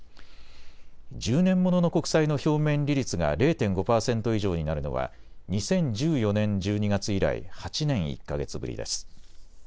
１０年ものの国債の表面利率が０．５％以上になるのは２０１４年１２月以来８年１か月ぶりです。